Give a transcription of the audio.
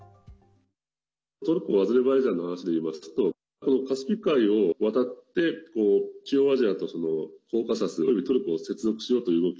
トルコ、アゼルバイジャンの話で言いますとカスピ海を渡って中央アジアとコーカサスおよびトルコを接続しようとする動き。